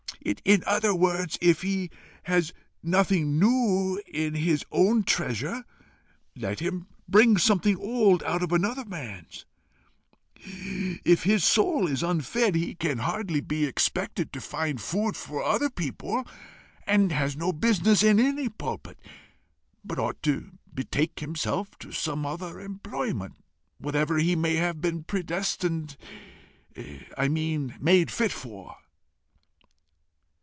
In other words, if he has nothing new in his own treasure, let him bring something old out of another man's. If his own soul is unfed, he can hardly be expected to find food for other people, and has no business in any pulpit, but ought to betake himself to some other employment whatever he may have been predestined to I mean, made fit for."